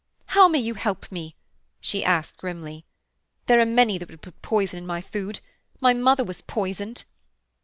'How may you help me?' she asked grimly. 'There are many that would put poison in my food. My mother was poisoned.'